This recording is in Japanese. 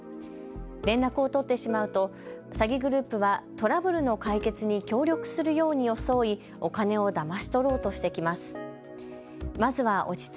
連絡を取ってしまうと詐欺グループはトラブルの解決に協力するように装いお金をだまし取ろうとしてきます。